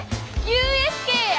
ＵＳＫや！